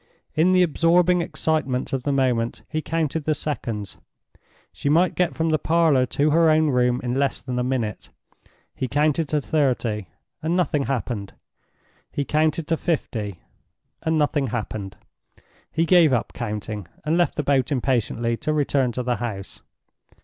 In the absorbing excitement of the moment, he counted the seconds. She might get from the parlor to her own room in less than a minute. He counted to thirty, and nothing happened. He counted to fifty, and nothing happened. He gave up counting, and left the boat impatiently, to return to the house.